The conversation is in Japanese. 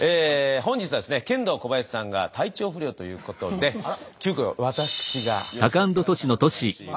本日はですねケンドーコバヤシさんが体調不良ということで急きょ私がやらさせて頂きます。